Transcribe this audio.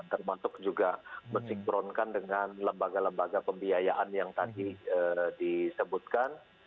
termasuk juga mensinkronkan dengan lembaga lembaga pembiayaan yang tadi disebutkan